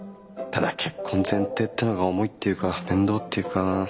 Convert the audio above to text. ただ結婚前提っていうのが重いっていうか面倒っていうか。